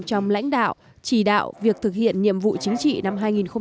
trong lãnh đạo chỉ đạo việc thực hiện nhiệm vụ chính trị năm hai nghìn một mươi chín